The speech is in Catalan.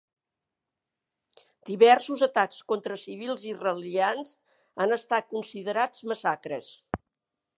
Diversos atacs contra civils israelians han estat considerats massacres.